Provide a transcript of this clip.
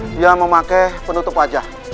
dia memakai penutup wajah